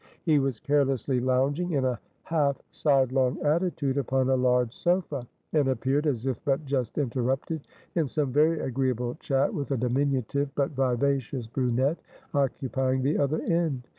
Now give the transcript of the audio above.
He was carelessly lounging in a half side long attitude upon a large sofa, and appeared as if but just interrupted in some very agreeable chat with a diminutive but vivacious brunette, occupying the other end.